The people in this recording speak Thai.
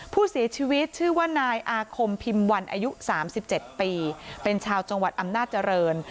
ผู้เสียชีวิตชื่อว่านายอาคมพิมพ์วันอายุ๓๗ปีเป็นชาวจังหวัดอำนาจริง